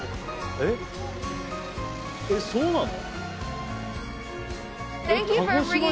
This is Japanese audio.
えっそうなの？